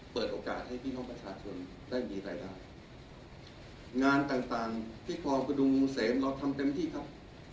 เปิดโอกาสให้พี่น้องประชาชนได้มีรายได้งานต่างต่างที่พอคุณดูงเสมเราทำเต็มที่ครับ